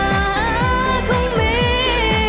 ใครคนนั้นยังต้องตามหาคงมี